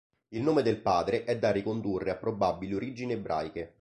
Il nome del padre è da ricondurre a probabili origini ebraiche.